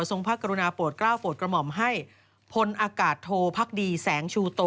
พระกรุณาโปรดกล้าวโปรดกระหม่อมให้พลอากาศโทพักดีแสงชูโต